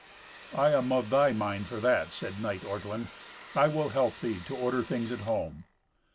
"I am of thy mind for that," said knight Ortwin. "I will help thee to order things at home."